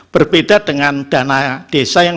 berbeda dengan dana desa yang